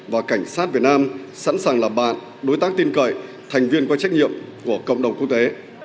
và cảnh sát việt nam sẵn sàng làm bạn đối tác tin cậy thành viên có trách nhiệm của cộng đồng quốc tế